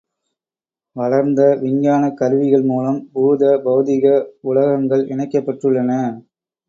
வளர்ந்த விஞ்ஞானக் கருவிகள் மூலம் பூத பெளதிக உலகங்கள் இணைக்கப் பெற்றுள்ளன.